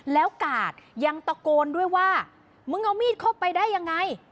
แล้วกาดยังตะโกนด้วยว่ามึงเอามีดเข้าไปได้ยังไง